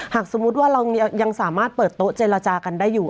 สมมุติว่าเรายังสามารถเปิดโต๊ะเจรจากันได้อยู่